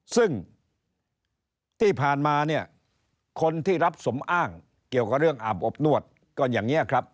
ซึ่งที่ผ่านมาเนี่ยคนที่รับสมอ้างเกี่ยวกับเรื่องอาบอบนวดก็อย่างนี้ครับ